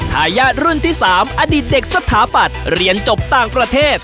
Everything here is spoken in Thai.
ทายาทรุ่นที่๓อดีตเด็กสถาปัตย์เรียนจบต่างประเทศ